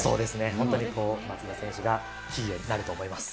本当に松田選手がキーになると思います。